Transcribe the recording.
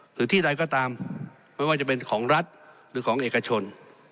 หรือที่ใดก็ตามไม่ว่าจะเป็นของรัฐหรือของเอกชน